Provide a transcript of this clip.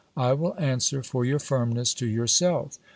I will answer for your firmness to yourself.